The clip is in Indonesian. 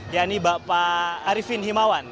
yakni pak arifin himawan